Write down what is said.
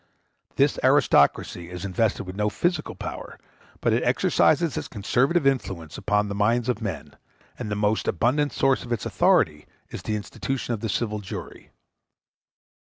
This aristocracy is invested with no physical power, but it exercises its conservative influence upon the minds of men, and the most abundant source of its authority is the institution of the civil jury.